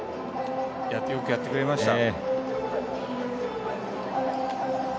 よくやってくれました。